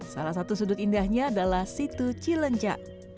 salah satu sudut indahnya adalah situ cilenca